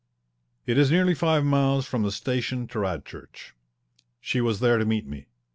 It is nearly five miles from the station to Radchurch. She was there to meet me.